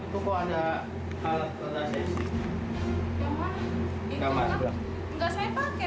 itu kok ada alat berat